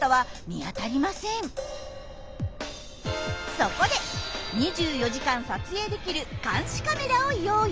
そこで２４時間撮影できる監視カメラを用意。